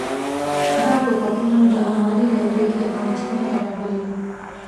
دا ټوپکونه د اماني دورې کې افغانستان ته راغلي وو.